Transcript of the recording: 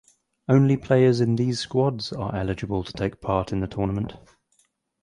Only players in these squads are eligible to take part in the tournament.